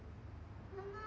・ママ！